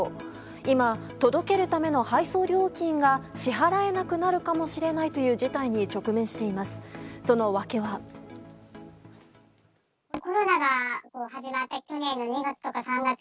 今、届けるための配送料金が支払えなくなるかもしれないという事態に直面しています。